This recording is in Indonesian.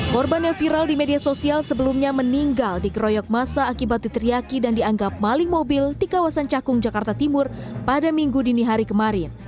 korban yang viral di media sosial sebelumnya meninggal dikeroyok masa akibat diteriaki dan dianggap maling mobil di kawasan cakung jakarta timur pada minggu dini hari kemarin